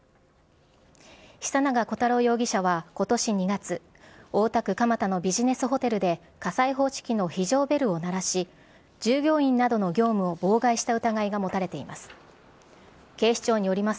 久永小太郎容疑者は今年２月大田区蒲田のビジネスホテルで火災報知器の非常ベルを鳴らし従業員などの業務を妨害した疑いが持たれています。